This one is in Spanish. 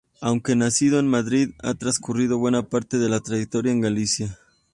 Aunque nacido en Madrid, ha transcurrido buena parte de su trayectoria en Galicia.